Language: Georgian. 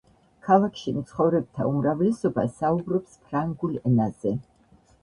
ქალაქში მცხოვრებთა უმრავლესობა საუბრობს ფრანგულ ენაზე.